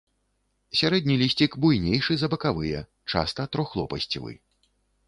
Сярэдні лісцік буйнейшы за бакавыя, часта трохлопасцевы.